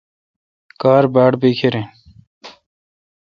کار باڑ بیکھر این۔